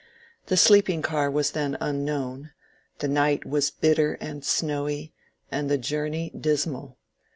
The sleeping car was then unknown, the night was bitter and snowy, and the journey dismal.